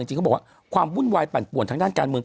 จริงเขาบอกว่าความวุ่นวายปั่นป่วนทางด้านการเมือง